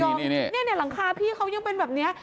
เนี่ยหลังคาพี่เขายังเป็นแบบนี้